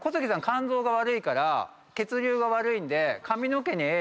肝臓が悪いから血流が悪いんで。